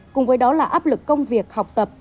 cùng với đó là áp lực công việc học tập